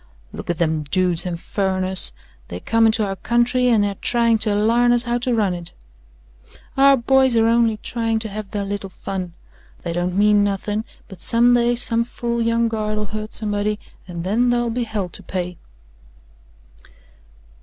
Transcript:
"Look at them dudes and furriners. They come into our country and air tryin' to larn us how to run it." "Our boys air only tryin' to have their little fun. They don't mean nothin', but someday some fool young guard'll hurt somebody and then thar'll be hell to pay."